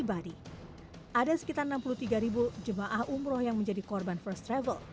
ada sekitar enam puluh tiga jemaah umroh yang menjadi korban first travel